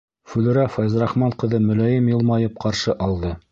Флүрә Фәйзрахман ҡыҙы мөләйем йылмайып ҡаршы алды.